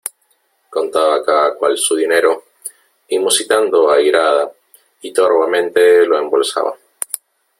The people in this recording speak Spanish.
contaba cada cual su dinero , y musitando airada y torvamente lo embolsaba .